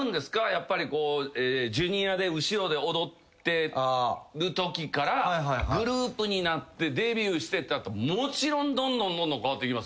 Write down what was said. やっぱりこうＪｒ．で後ろで踊ってるときからグループになってデビューしてってもちろんどんどんどんどん変わっていきますよね？